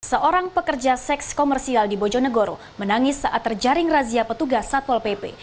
seorang pekerja seks komersial di bojonegoro menangis saat terjaring razia petugas satpol pp